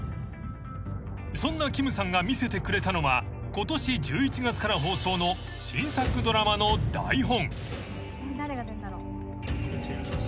［そんなキムさんが見せてくれたのはことし１１月から放送の新作ドラマの台本］